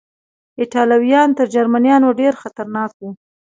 ایټالویان تر جرمنیانو ډېر خطرناک و.